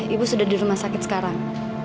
ibu sudah di rumah sakit sekarang